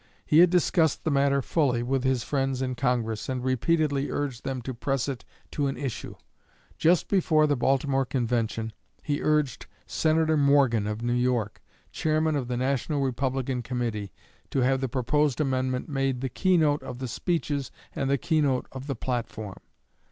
He had discussed the matter fully with his friends in Congress, and repeatedly urged them to press it to an issue. Just before the Baltimore Convention, he urged Senator Morgan of New York, chairman of the National Republican Committee, to have the proposed amendment made the "key note of the speeches and the key note of the platform."